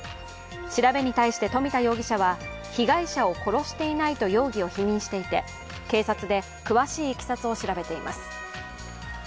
調べに対して冨田容疑者は被害者を殺していないと容疑を否認していて警察で詳しいいきさつを調べています。